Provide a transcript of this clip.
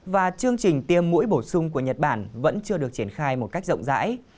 và chương trình tiêm mũi bổ sung của nhật bản vẫn chưa được triển khai một cách rộng rãi